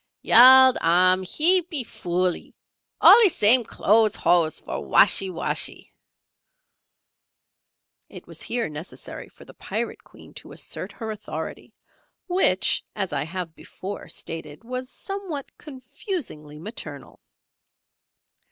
"Yald alm heap foolee! Allee same clothes hoss for washee washee." It was here necessary for the Pirate Queen to assert her authority, which, as I have before stated was somewhat confusingly maternal.